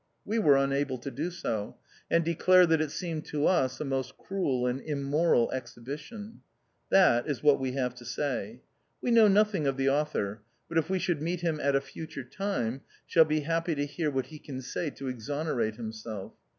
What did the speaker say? We were unable to do so, and declare that it seemed to us a most cruel and immoral exhibition. That is what we have to say. We know nothing of the Author, but if we should meet him at a future time shall be happy to hear what he can say to exonerate himself.